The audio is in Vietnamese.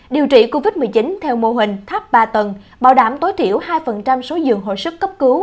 điều trị covid một mươi chín theo mô hình tháp ba tầng bảo đảm tối thiểu hai số giường hồi sức cấp cứu